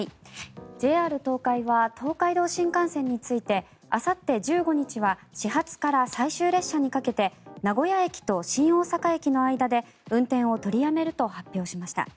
ＪＲ東海は東海道新幹線についてあさって１５日は始発から最終列車にかけて名古屋駅と新大阪駅の間で運転を取りやめると発表しました。